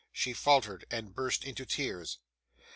She faltered, and burst into tears.